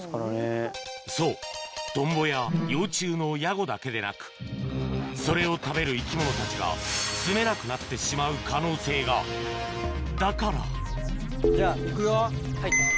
そうだけでなくそれを食べる生き物たちがすめなくなってしまう可能性がだからじゃあ行くよ。